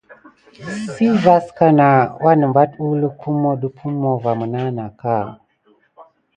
Sey vaskana anebat uwluk pummo dupummo va mena naka.